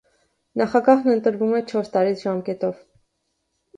Նախագահն ընտրվում էր չորս տարի ժամկետով։